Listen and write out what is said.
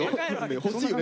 欲しいよね